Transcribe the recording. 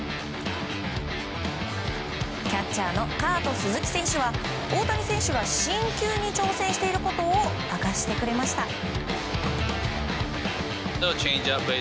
キャッチャーのカート・スズキ選手は大谷選手が新球に挑戦していることを明かしてくれました。